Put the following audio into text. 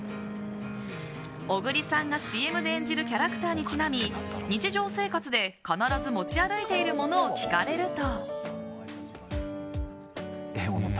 小栗さんがＣＭで演じるキャラクターにちなみ日常生活で必ず持ち歩いているものを聞かれると。